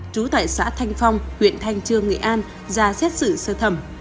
một nghìn chín trăm tám mươi hai trú tại xã thanh phong huyện thanh trương nghệ an ra xét xử sơ thẩm